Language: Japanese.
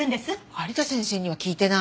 有田先生には聞いてない。